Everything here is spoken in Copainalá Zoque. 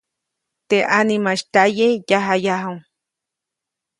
Teʼ ʼanimaʼis tyaye, yajayaju.